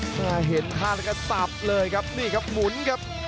มาเห็นท่าแล้วก็สับเลยครับนี่ครับหมุนครับ